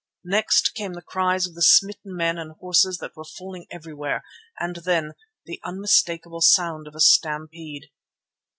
Next came the cries of the smitten men and horses that were falling everywhere, and then—the unmistakable sound of a stampede.